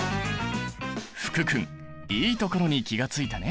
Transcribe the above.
福君いいところに気が付いたね。